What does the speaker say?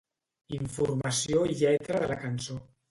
Informació i lletra de la cançó.